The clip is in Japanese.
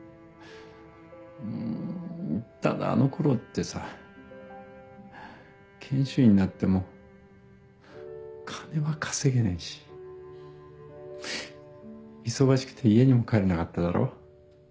んただあの頃ってさ研修医になっても金は稼げないし忙しくて家にも帰れなかっただろ。